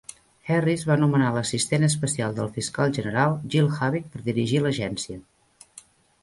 Harris va nomenar l'assistent especial del fiscal general Jill Habig per dirigir l'agència.